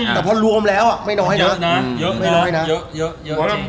แต่พอรวมแล้วไม่น้อยนะ